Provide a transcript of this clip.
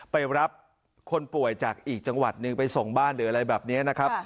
ไปรับคนป่วยจากอีกจังหวัดหนึ่งไปส่งบ้านหรืออะไรแบบนี้นะครับ